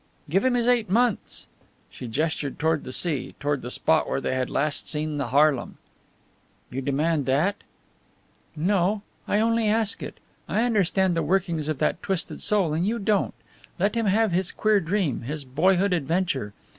"Give him his eight months." She gestured toward the sea, toward the spot where they had last seen the Haarlem. "You demand that?" "No, I only ask it. I understand the workings of that twisted soul, and you don't. Let him have his queer dream his boyhood adventure.